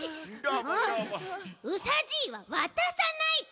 うさじいはわたさないち！